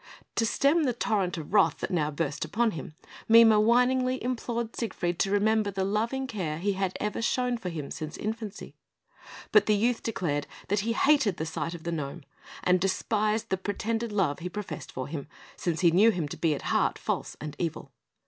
To stem the torrent of wrath that now burst upon him, Mime whiningly implored Siegfried to remember the loving care he had ever shown for him since infancy; but the youth declared that he hated the sight of the gnome, and despised the pretended love he professed for him, since he knew him to be at heart false and evil.